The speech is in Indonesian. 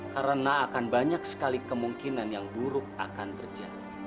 karena akan banyak sekali kemungkinan yang buruk akan berjadi